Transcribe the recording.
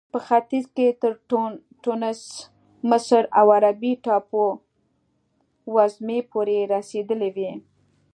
په ختیځ کې تر ټونس، مصر او عربي ټاپو وزمې پورې رسېدلې وې.